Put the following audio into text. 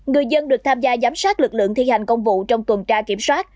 người dân được tham gia giám sát lực lượng thi hành công vụ trong tuần tra kiểm soát